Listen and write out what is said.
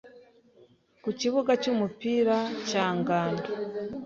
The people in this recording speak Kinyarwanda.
ku kibuga cy’umupira cya Ngando